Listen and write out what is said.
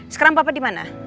sekarang papa dimana